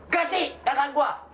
ganti dengan gua